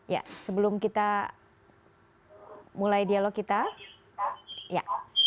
ya sebelum kita mulai dialog kita ya